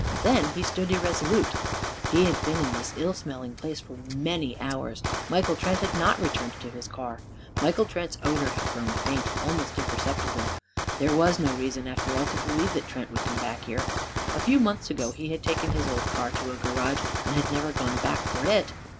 Then he stood irresolute. He had been in this ill smelling place for many hours. Michael Trent had not returned to his car. Michael Trent's odour had grown faint almost imperceptible. There was no reason, after all, to believe that Trent would come back here. A few months ago he had taken his old car to a garage and had never gone back for it.